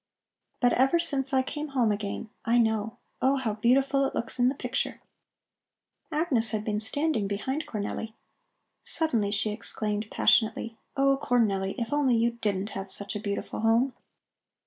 But ever since I came home again, I know. Oh, how beautiful it looks in the picture!" Agnes had been standing behind Cornelli. Suddenly she exclaimed passionately: "Oh, Cornelli, if only you didn't have such a beautiful home!"